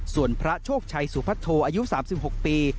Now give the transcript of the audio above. ส่วนพระโชคชัยสุพัทโทอายุ๓๖ปี